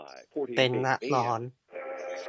เป็นนักร้อง